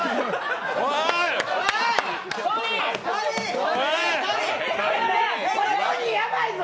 トニー、やばいぞ。